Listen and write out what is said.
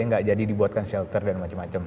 nggak jadi dibuatkan shelter dan macam macam